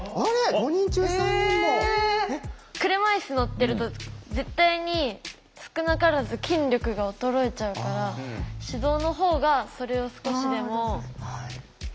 車いす乗ってると絶対に少なからず筋力が衰えちゃうから手動の方がそれを少しでも何て言うんだろう